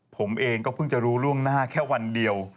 ผมเองก็เพิ่งจะรู้ล่วงหน้าแค่วันเดียว